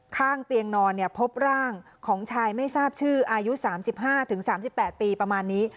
ข้างเตียงนอนพบร่างของชายไม่ทราบชื่ออายุ๓๕๓๘ปีประมาณนี้